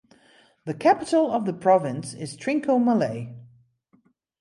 The capital of the province is Trincomalee.